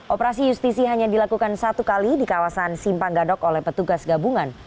operasi justisi hanya dilakukan satu kali di kawasan simpang gadok oleh petugas gabungan